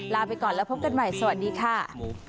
ไปก่อนแล้วพบกันใหม่สวัสดีค่ะ